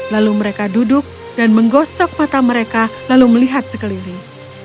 lalu mereka duduk dan menggosok mata mereka lalu melihat sekeliling